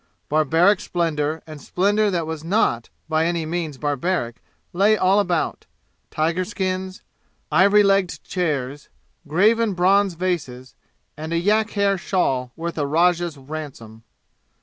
Barbaric splendor and splendor that was not by any means barbaric lay all about tiger skins, ivory legged chairs, graven bronze vases, and a yak hair shawl worth a rajah's ransom.